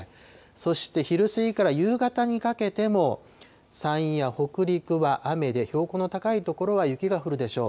そして昼過ぎから夕方にかけても、山陰や北陸は雨で、標高の高い所は雪が降るでしょう。